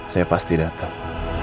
saya pasti datang